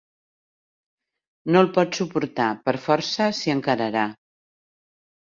No el pot suportar: per força s'hi encararà!